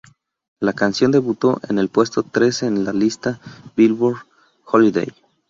La canción debutó en el puesto tres en la lista Billboard Holiday.